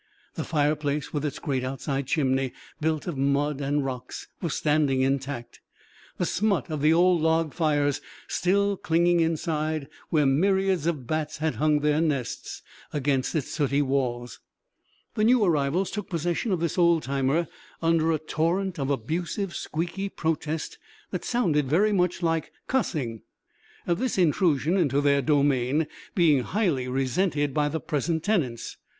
The fireplace, with its great outside chimney, built of mud and rocks, was standing intact, the smut of the old log fires still clinging inside where myriads of bats had hung their nests against its sooty walls. The new arrivals took possession of this old timer under a torrent of abusive, squeaky protest that sounded very much like "cussing," this intrusion into their domain being highly resented by the present tenants.